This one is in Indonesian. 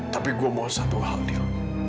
tapi gue mau satu hal dil